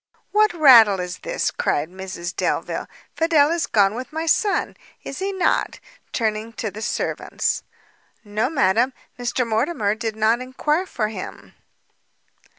"What rattle is this?" cried Mrs Delvile; "Fidel is gone with my son, is he not?" turning to the servants. "No, madam, Mr Mortimer did not enquire for him."